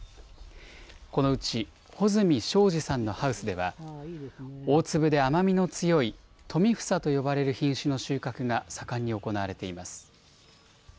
このうち、穂積昭治さんのハウスでは、大粒で甘みの強い富房と呼ばれる品種の収穫が盛んに行われています。